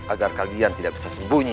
agar kalian tidak bisa sembunyi